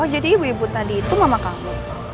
oh jadi ibu ibu tadi itu mama kamu